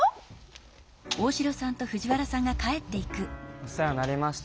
お世話になりました。